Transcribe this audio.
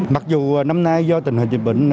mặc dù năm nay do tình hình dịch bệnh